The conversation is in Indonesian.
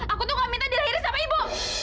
aku tuh gak minta dirahiri sama ibu